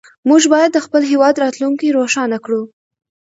موږ باید د خپل هېواد راتلونکې روښانه کړو.